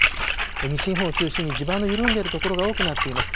西日本を中心に地盤の緩んでいる所が多くなっています。